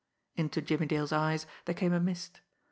Into Jimmie Dale's eyes there came a mist.